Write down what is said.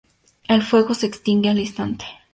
El fuego se extingue al instante.